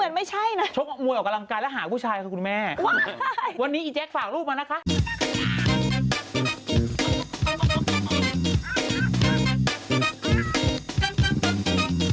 เดี๋ยวคุณแม่ชุด